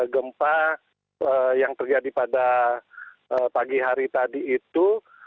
gempa yang terjadi pada pagi hari tadi itu